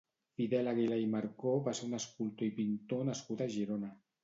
Fidel Aguilar i Marcó va ser un escultor i pintor nascut a Girona.